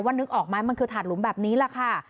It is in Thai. นึกออกไหมมันคือถาดหลุมแบบนี้แหละค่ะ